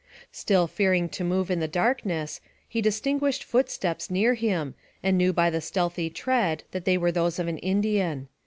Still fearing to move in the darkness, he distin guished footsteps near him, and knew by the stealthy tread that they were those of an Indian.